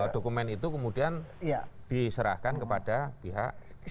dokumen itu kemudian diserahkan kepada pihak